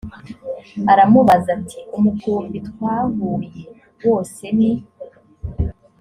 aramubaza ati umukumbi twahuye wose ni